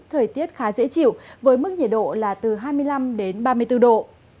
thời tiết khá dễ chịu với mức nhiệt độ là từ hai mươi năm ba mươi bốn độ